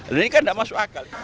dan ini kan tidak masuk akal